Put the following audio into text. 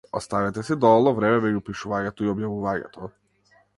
Оставете си доволно време меѓу пишувањето и објавувањето.